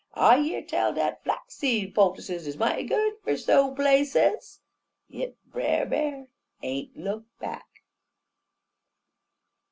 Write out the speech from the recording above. I year tell dat flaxseed poultices is mighty good fer so' places!' "Yit Brer B'ar ain't look back."